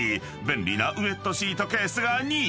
［便利なウェットシートケースが２位］